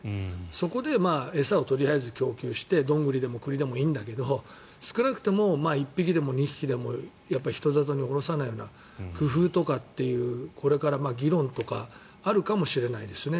そこで餌をとりあえず供給してドングリでも栗でもいいんだけど少なくとも１匹でも２匹でも人里に下ろさないような工夫とかというこれから議論とかあるかもしれないですね。